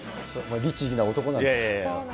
律義な男なんです。